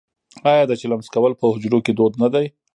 آیا د چلم څکول په حجرو کې دود نه دی؟